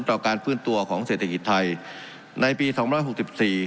ต่อการฟื้นตัวของเศรษฐกิจไทยในปีสองร้อยหกสิบสี่